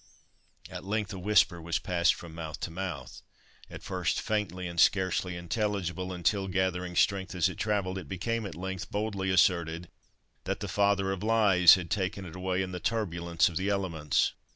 At length a whisper was passed from mouth to mouth at first faintly and scarcely intelligible until, gathering strength as it travelled, it became at length boldly asserted that the Father of Lies had taken it away in the turbulence of the elements.